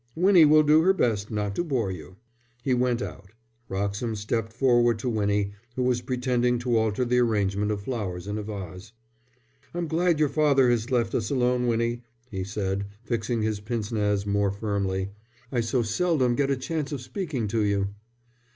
Winnie will do her best not to bore you." He went out. Wroxham stepped forward to Winnie, who was pretending to alter the arrangement of flowers in a vase. "I'm glad your father has left us alone, Winnie," he said, fixing his pince nez more firmly. "I so seldom get a chance of speaking to you."